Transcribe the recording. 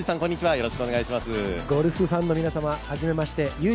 よろしくお願いします。